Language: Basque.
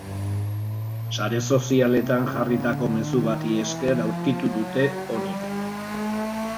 Sare sozialetan jarritako mezu bati esker aurkitu dute, onik.